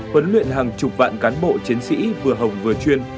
huấn luyện hàng chục vạn cán bộ chiến sĩ vừa hồng vừa chuyên